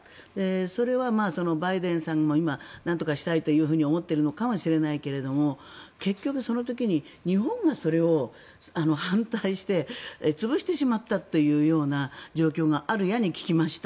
それはバイデンさんも今なんとかしたいと思っているのかもしれないけど結局、その時に日本がそれを反対して潰してしまったというような状況があるやに聞きました。